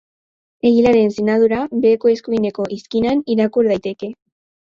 Egilearen sinadura beheko eskuineko izkinan irakur daiteke.